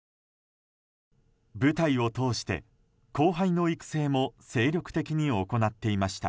舞台を通して、後輩の育成も精力的に行っていました。